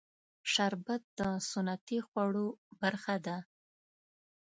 شربت د سنتي خوړو برخه ده